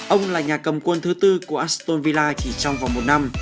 ông là nhà cầm quân thứ tư của aston villa chỉ trong vòng một năm